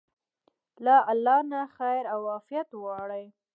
له الله نه خير او عافيت وغواړئ.